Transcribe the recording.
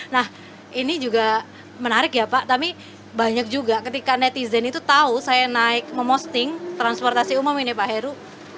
nah ini juga menarik ya pak tapi banyak juga ketika netizen itu tahu saya naik memosting transportasi umum ini pak heru